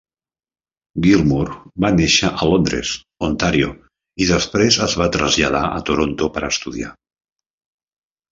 Gilmour va néixer a Londres, Ontario, i després es va traslladar a Toronto per estudiar.